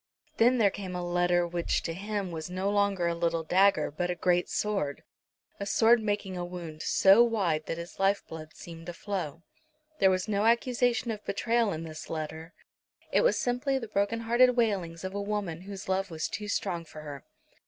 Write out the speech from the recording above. Then there came a letter which to him was no longer a little dagger, but a great sword, a sword making a wound so wide that his life blood seemed to flow. There was no accusation of betrayal in this letter. It was simply the broken hearted wailings of a woman whose love was too strong for her.